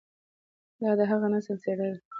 دا د هغه نسل څېره ده،